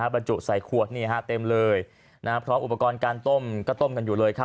บรรจุใส่ขวดเต็มเลยพร้อมอุปกรณ์การต้มก็ต้มกันอยู่เลยครับ